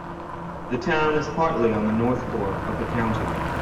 The town is partly on the North Fork of the county.